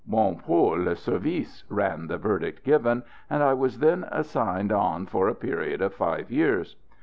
"Bon pour le service," ran the verdict given, and I was then signed on for a period of five years.